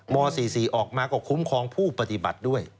ม๔๔ออกมาก็คุ้มครองผู้ปฏิบัติด้วย